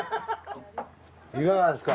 いかがですか？